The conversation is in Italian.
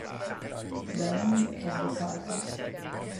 The End of the Circle